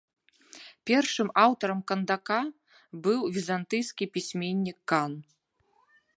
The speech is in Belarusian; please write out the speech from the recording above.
Першым аўтарам кандака быў візантыйскі пісьменнік кан.